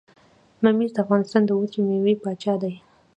ممیز د افغانستان د وچې میوې پاچا دي.